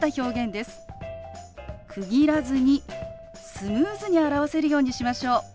区切らずにスムーズに表せるようにしましょう。